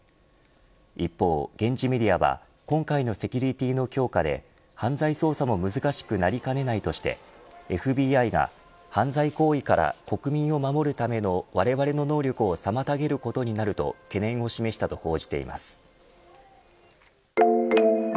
一方、現地メディアは今回のセキュリティの強化で犯罪捜査も難しくなりかねないとしてＦＢＩが、犯罪行為から国民を守るためのわれわれの能力を妨げることになると懸念を示したと報じています。